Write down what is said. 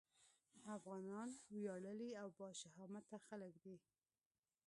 افغانان وياړلي او باشهامته خلک دي.